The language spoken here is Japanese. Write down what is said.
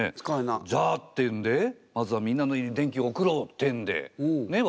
じゃあ！っていうんでまずはみんなの家に電気を送ろうってんでねえ